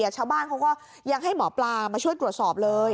ชาวบ้านเขาก็ยังให้หมอปลามาช่วยตรวจสอบเลย